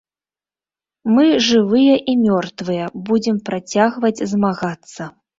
Мы, жывыя і мёртвыя, будзем працягваць змагацца!